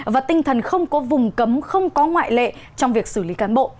và tinh thần không có vùng cấm không có ngoại lệ trong việc xử lý cán bộ